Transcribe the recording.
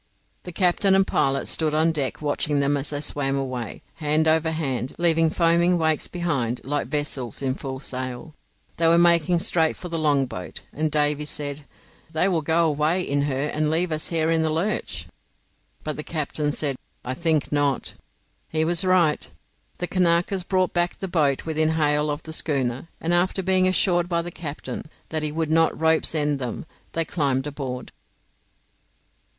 The captain and pilot stood on deck watching them as they swam away, hand over hand, leaving foaming wakes behind like vessels in full sail. They were making straight for the longboat, and Davy said, "They will go away in her and leave us here in the lurch." But the captain said, "I think not." He was right. The Kanakas brought back the boat within hail of the schooner, and after being assured by the captain that he would not ropes end them, they climbed aboard.